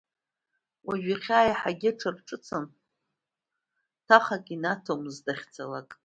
Уажәы ихьаа еиҳагьы аҽарҿыцын, ҭахак инаҭомызт дахьцалакгьы.